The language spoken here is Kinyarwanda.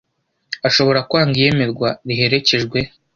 ashobora kwanga iyemerwa riherekejwe